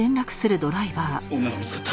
女が見つかった。